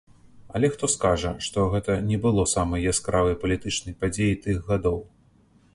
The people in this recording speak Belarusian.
Але хто скажа, што гэта не было самай яскравай палітычнай падзеяй тых гадоў?